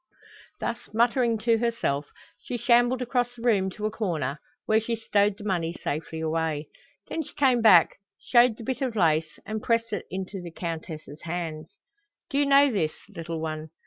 Thus muttering to herself, she shambled across the room to a corner, where she stowed the money safely away. Then she came back, showed the bit of lace, and pressed it into the Countess's hands. "Do you know this, little one?